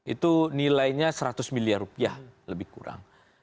itu nilainya seratus miliar rupiah lebih kurang